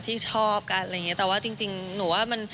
ที่ชอบกันอะไรอย่างนี้แต่ว่าจริงหนูว่า